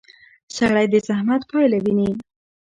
سړی د زحمت پایله ویني